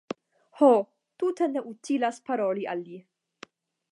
Ho, tute ne utilas paroli al li.